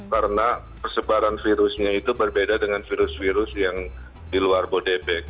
karena persebaran virusnya itu berbeda dengan virus virus yang di luar bodebek